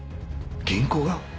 銀行が？